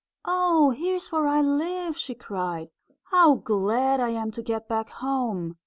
"Oh, here's where I live!" she cried. "How glad I am to get back home!"